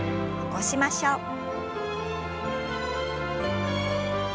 起こしましょう。